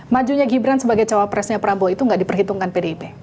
majunya gibran sebagai cowok presnya prambu itu nggak diperhitungkan pdip